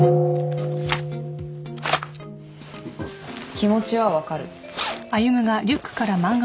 気持ちは分かる。